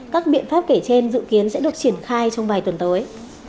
các biện pháp kể trên dự kiến sẽ được triển khai trong vài tuần tới